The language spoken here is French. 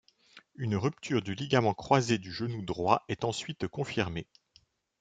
Une ruputure du ligament croisé du genou droit est ensuite confirmée.